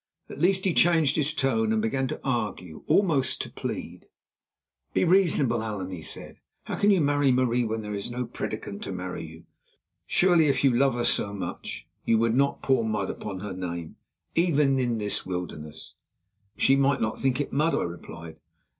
At least, he changed his tone and began to argue, almost to plead. "Be reasonable, Allan," he said. "How can you marry Marie when there is no prédicant to marry you? Surely, if you love her so much, you would not pour mud upon her name, even in this wilderness?" "She might not think it mud," I replied.